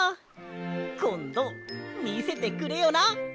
こんどみせてくれよな！